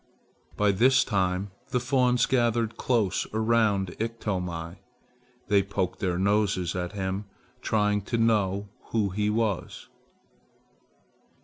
By this time the fawns gathered close around Iktomi. They poked their noses at him trying to know who he was.